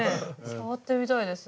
触ってみたいです。